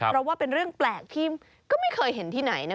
เพราะว่าเป็นเรื่องแปลกที่ก็ไม่เคยเห็นที่ไหนนะ